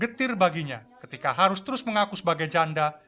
getir baginya ketika harus terus mengaku sebagai janda